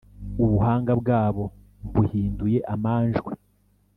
ubuhanga bwabo mbuhinduye amanjwe.